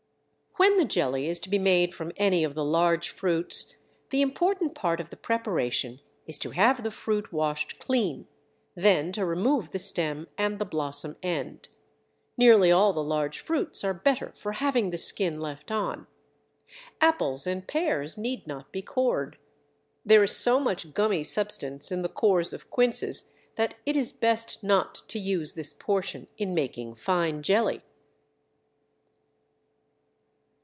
When the jelly is to be made from any of the large fruits the important part of the preparation is to have the fruit washed clean, then to remove the stem and the blossom end. Nearly all the large fruits are better for having the skin left on. Apples and pears need not be cored. There is so much gummy substance in the cores of quinces that it is best not to use this portion in making fine jelly.